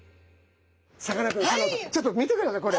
さかなクン香音さんちょっと見てくださいこれ。